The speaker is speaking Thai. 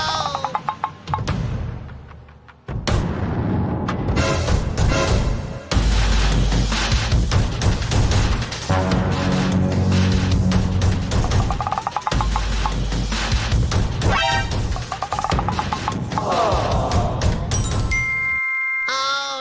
โอ้โฮนี่ะ